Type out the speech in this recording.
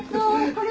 これ。